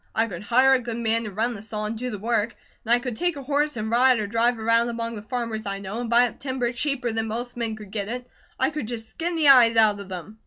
I could hire a good man to run the saw and do the work, and I could take a horse and ride, or drive around among the farmers I know, and buy up timber cheaper than most men could get it. I could just skin the eyes out of them."